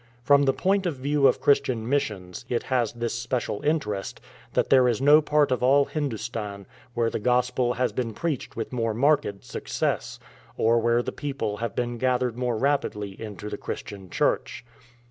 From the point of view of Christian missions it has this special interest, that there is no part of all Hindustan where the Gospel has been preached with more marked success, or where the people have been gathered more rapidly into the Christian Church.